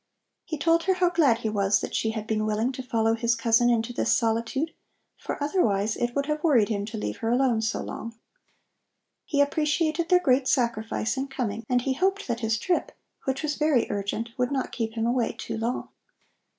He told her how glad he was that she had been willing to follow his cousin into this solitude, for otherwise it would have worried him to leave her alone so long. He appreciated their great sacrifice in coming and he hoped that his trip, which was very urgent, would not keep him away too long.